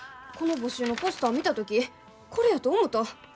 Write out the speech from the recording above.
この募集のポスター見た時これやと思うた。